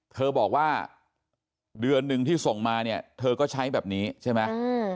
เธอบอกว่าเดือนหนึ่งที่ส่งมาเนี่ยเธอก็ใช้แบบนี้ใช่ไหม